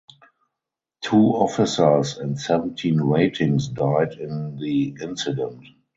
Two officers and seventeen ratings died in the incident.